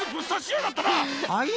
はい？